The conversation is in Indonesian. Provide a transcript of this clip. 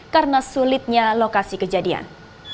karena sulitnya lokasi kejadian